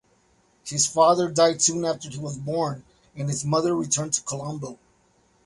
His father died soon after he was born and his mother returned to Colombo.